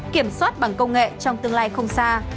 kiểm soát bằng công nghệ trong tương lai không xa